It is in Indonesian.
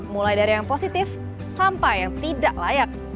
mulai dari yang positif sampai yang tidak layak